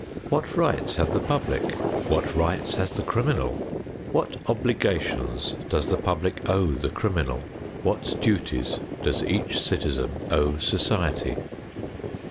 What rights have the public? What rights has the criminal? What obligations does the public owe the criminal? What duties does each citizen owe society?